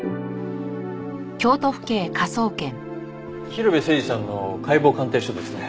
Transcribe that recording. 広辺誠児さんの解剖鑑定書ですね。